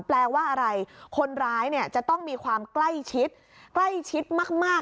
แปลว่าอะไรคนร้ายเนี่ยจะต้องมีความใกล้ชิดใกล้ชิดมาก